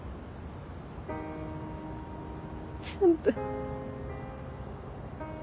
全部。